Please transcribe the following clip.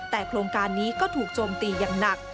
แต่โครงการนี้ก็ถูกโจมตีอย่างหนัก